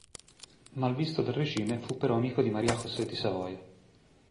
Malvisto dal regime, fu però amico di Maria José di Savoia.